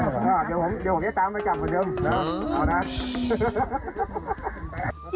อ๋อเดี๋ยวผมเนี่ยตามไปจับกันเถิมเอานะ